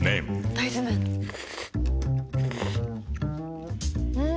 大豆麺ん？